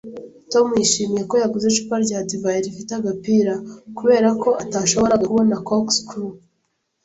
Tom yishimiye ko yaguze icupa rya divayi rifite agapira, kubera ko atashoboraga kubona corkscrew